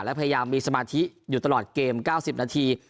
และพยายามมีสมาธิอยู่ตลอดเกม๙๐นาที